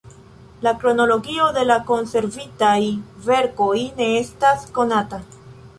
La kronologio de la konservitaj verkoj ne estas konata.